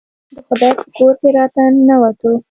د خدای په کور کې راته ننوتو.